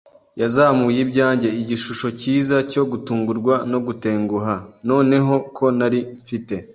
yazamuye ibyanjye, igishusho cyiza cyo gutungurwa no gutenguha. Noneho ko nari mfite